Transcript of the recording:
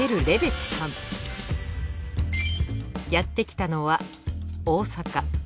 やってきたのは大阪。